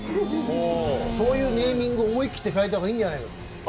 そういうネーミングに思い切って変えた方がいいんじゃないかと。